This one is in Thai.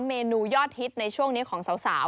เมนูยอดฮิตในช่วงนี้ของสาว